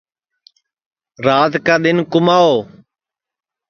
رات کا دؔن کُماو